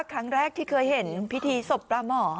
ครั้งแรกที่เคยเห็นพิธีศพปลาหมอ